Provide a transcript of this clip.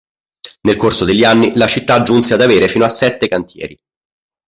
Nel corso degli anni la città giunse ad avere fino a sette cantieri.